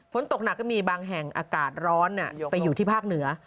ฝนตกหนักก็มีบางแห่งอากาศร้อนไปอยู่ที่ภาคเหนือ